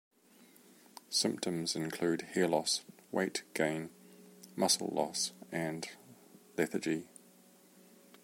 Symptoms include hair loss, weight gain, muscle loss, and lethargy.